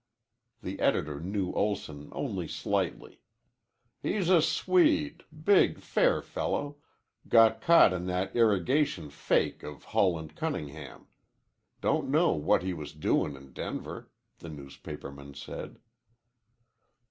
The editor knew Olson only slightly. "He's a Swede big, fair fellow got caught in that irrigation fake of Hull and Cunningham. Don't know what he was doin' in Denver," the newspaperman said.